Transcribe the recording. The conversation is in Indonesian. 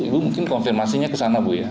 ibu mungkin konfirmasinya ke sana bu ya